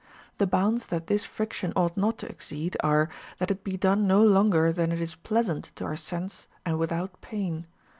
The bounds that this friction ought not to exceed are, that it be done no longer than it is pleasant to our sense and without pain.